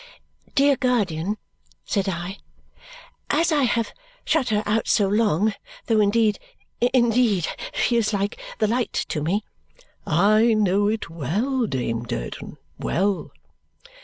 "Dear guardian," said I, "as I have shut her out so long though indeed, indeed, she is like the light to me " "I know it well, Dame Durden, well."